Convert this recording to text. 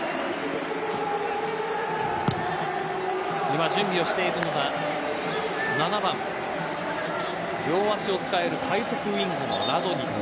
今、準備をしているのが７番両脚を使える快足ウイングのラドニッチ。